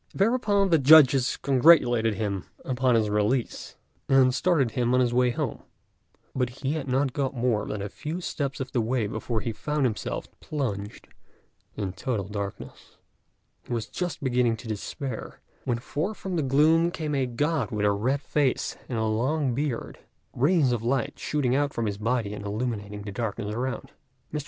Thereupon the judges congratulated him upon his release, and started him on his way home; but he had not got more than a few steps of the way before he found himself plunged in total darkness. He was just beginning to despair, when forth from the gloom came a God with a red face and a long beard, rays of light shooting out from his body and illuminating the darkness around. Mr.